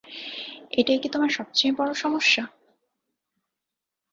এটাই কি তোমার সবচেয়ে বড় সমস্যা?